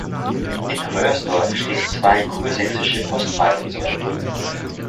In Röhrsdorf stehen zwei Kursächsische Postmeilensäulen.